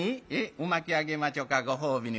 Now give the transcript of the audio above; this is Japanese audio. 鰻巻きあげまちょかご褒美に。